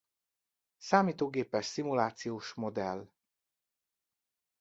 Számítógépes szimulációs-modell.